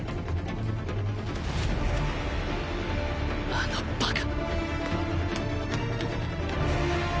あのバカ！